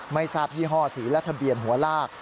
ไม่ทราบยี่ห้อสีและทะเบียนหัวลาก